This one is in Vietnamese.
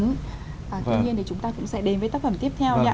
tuy nhiên thì chúng ta cũng sẽ đến với tác phẩm tiếp theo ạ